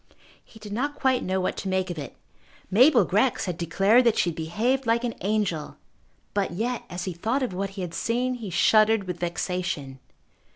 He did not quite know what to make of it. Mabel Grex had declared that she had behaved like an angel. But yet, as he thought of what he had seen, he shuddered with vexation.